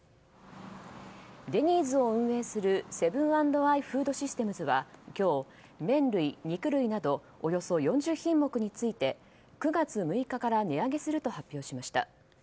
デニーズを運営するセブン＆アイ・フードシステムズは今日、麺類、肉類などおよそ４０品目について９月６日から値上げすると発表しました。